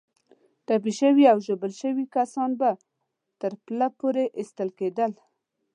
ټپي شوي او ژوبل کسان به تر پله پورې ایستل کېدل.